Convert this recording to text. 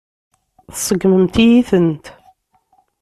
Tseggmemt-iyi-tent.